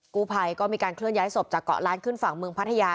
กู้ภัยก็มีการเคลื่อนย้ายศพจากเกาะล้านขึ้นฝั่งเมืองพัทยา